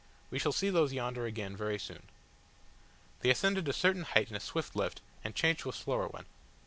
We shall see those yonder again very soon." They ascended a certain height in a swift lift, and changed to a slower one.